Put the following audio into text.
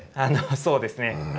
そうですね。